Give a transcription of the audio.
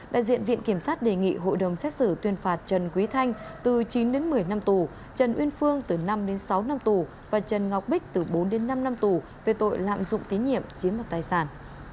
đại diện viện kiểm sát đề nghị hội đồng xét xử tuyên phạt trần quý thanh từ chín đến một mươi năm tù trần uyên phương từ năm đến sáu năm tù và trần ngọc bích từ bốn đến năm năm tù về tội lạm dụng tín nhiệm chiếm mặt tài sản